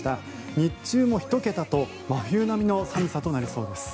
日中も１桁と真冬並みの寒さとなりそうです。